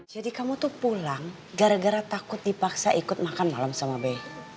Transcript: jadi kamu tuh pulang gara gara takut dipaksa ikut makan malam sama be